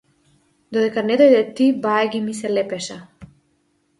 Додека не дојде ти, бајаги ми се лепеше.